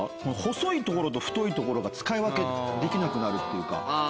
細いところと太いところが使い分けできなくなるっていうか。